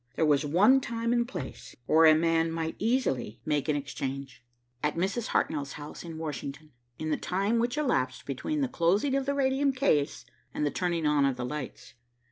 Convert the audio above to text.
There was one time and place where a man might easily make an exchange. At Mrs. Hartnell's house in Washington, in the time which elapsed between the closing of the radium case and the turning on of the lights.